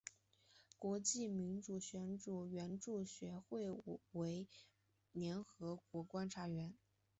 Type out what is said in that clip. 国际民主和选举援助学会为联合国观察员。